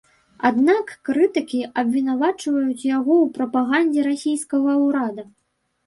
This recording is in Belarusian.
Аднак крытыкі абвінавачваюць яго ў прапагандзе расійскага ўрада.